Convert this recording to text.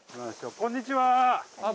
こんにちは。